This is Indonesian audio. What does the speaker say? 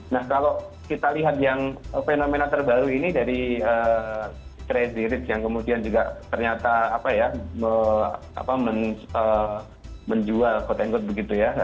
nah kalau kita lihat yang fenomena terbaru ini dari tracery rich yang kemudian juga ternyata menjual quote unquote begitu ya